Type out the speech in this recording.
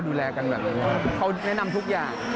ดูแลกันแบบเขาแนะนำทุกอย่าง